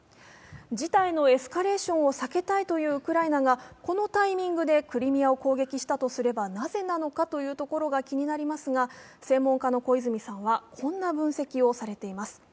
事態のエスカレーションを避けたいというウクライナがこのタイミングでクリミアを攻撃したとすればなぜなのかというところが気になりますが、専門家の小泉さんはこんな分析をされています。